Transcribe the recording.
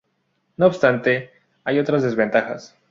No obstante, hay otras desventajas.